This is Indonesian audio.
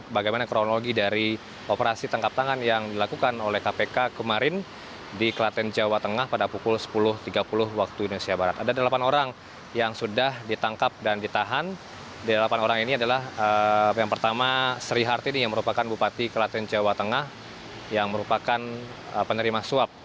bupati kelaten sri hartini merupakan bupati kelaten jawa tengah yang merupakan penerima suap